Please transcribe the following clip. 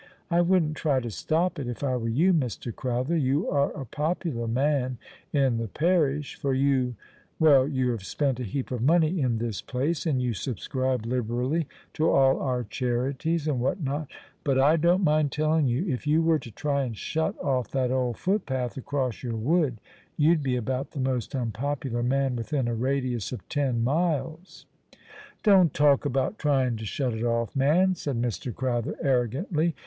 I wouldn't try to stop it, if I were you, Mr. Crowther. You are a popular man in the parish, for you — well, you have spent a heap of money in this place, and you subscribe liberally to all our charities and what not ; but, I don't mind telling you, if you were to try and shut off that old footpath across your wood, you'd be about the most unpopular man within a radius of ten miles." " Don't talk about trying to shut it off, man," said Mr. Crowther, arrogantly.